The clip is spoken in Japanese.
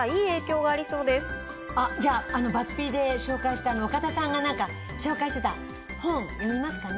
じゃあＢＵＺＺ−Ｐで紹介した岡田さんが紹介していた本読みますかね。